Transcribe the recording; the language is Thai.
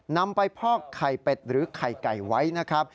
นำไปพอกไข่เป็ดหรือไข่ไก่ไว้นะครับ